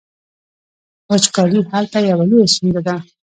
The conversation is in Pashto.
وچکالي هلته یوه لویه ستونزه ده.